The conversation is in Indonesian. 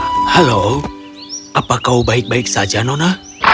halo apa kau baik baik saja nona